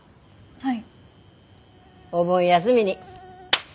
はい。